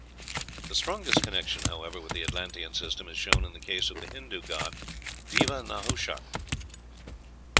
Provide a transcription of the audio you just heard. The strongest connection, however, with the Atlantean system is shown in the case of the Hindoo god Deva Nahusha.